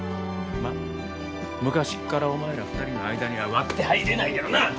まあ昔っからお前ら２人の間には割って入れないけどな。